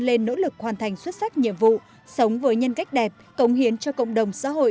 lên nỗ lực hoàn thành xuất sắc nhiệm vụ sống với nhân cách đẹp cống hiến cho cộng đồng xã hội